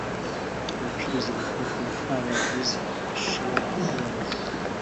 abacuruzi bavuga ko nta baguzi bashobora kubona